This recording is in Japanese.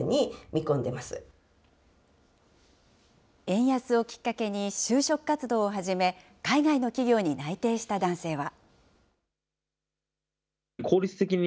円安をきっかけに就職活動を始め、海外の企業に内定した男性は。